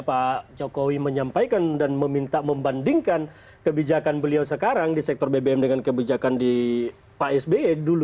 pak jokowi menyampaikan dan meminta membandingkan kebijakan beliau sekarang di sektor bbm dengan kebijakan di pak sby dulu